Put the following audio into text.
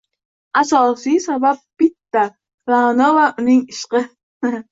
Asosiy sabab bitta: Ra’no va uning ishqi.